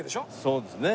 そうですね。